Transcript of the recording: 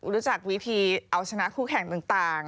รู้จักวิธีเอาชนะคู่แข่งต่าง